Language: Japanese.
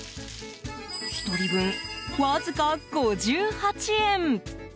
１人分わずか５８円。